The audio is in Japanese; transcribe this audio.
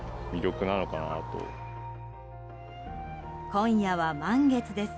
今夜は、満月です。